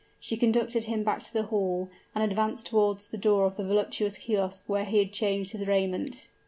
She conducted him back to the hall, and advanced toward the door of the voluptuous kiosk, where he had changed his raiment.